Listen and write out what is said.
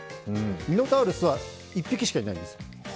ミノタウロスは１匹しかいないんです。